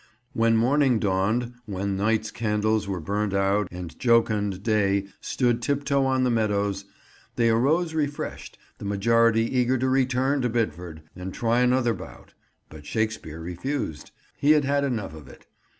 When morning dawned—when night's candles were burned out and jocund day stood tiptoe on the meadows—they arose refreshed, the majority eager to return to Bidford and try another bout; but Shakespeare refused. He had had enough of it.